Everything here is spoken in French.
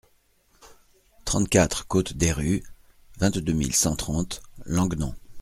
trente-quatre côte des Rus, vingt-deux mille cent trente Languenan